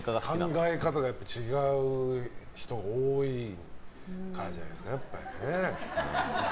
考え方が違う人が多いからじゃないですかね。